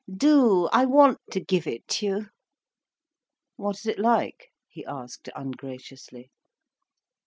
Do—I want to give it you." "What is it like?" he asked ungraciously.